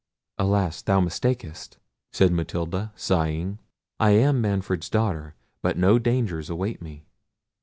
"Alas! thou mistakest," said Matilda, sighing: "I am Manfred's daughter, but no dangers await me."